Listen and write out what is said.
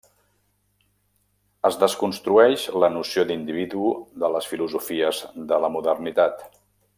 Es desconstrueix la noció d'individu de les filosofies de la modernitat.